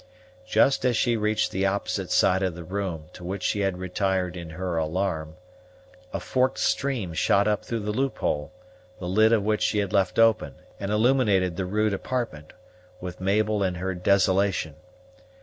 Just as she reached the opposite side of the room, to which she had retired in her alarm, a forked stream shot up through the loophole, the lid of which she had left open, and illuminated the rude apartment, with Mabel and her desolation.